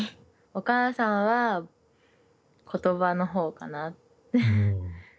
お母さんは言葉の方かな。